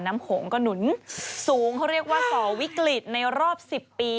โขงก็หนุนสูงเขาเรียกว่าต่อวิกฤตในรอบ๑๐ปี